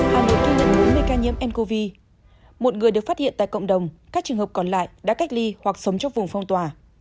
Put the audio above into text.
hà nội ghi nhận bốn mươi ca nhiễm ncov một người được phát hiện tại cộng đồng các trường hợp còn lại đã cách ly hoặc sống trong vùng phong tỏa